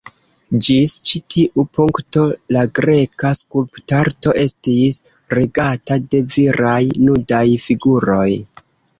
Ĝis ĉi tiu punkto, la greka skulptarto estis regata de viraj nudaj figuroj.